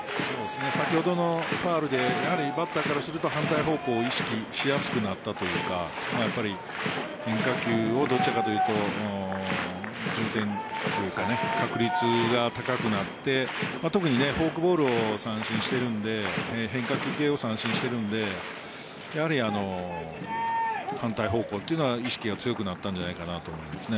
先ほどのファウルでバッターからすると反対方向を意識しやすくなったというか変化球をどちらかというと重点というか、確率が高くなって特にフォークボールを三振しているので変化球系を三振しているのでやはり反対方向というのは意識が強くなったんじゃないかなと思います。